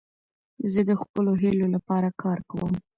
زه د خپلو هیلو له پاره کار کوم.